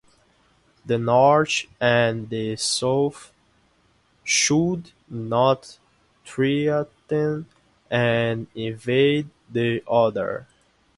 The north and the south should not threaten and invade the other.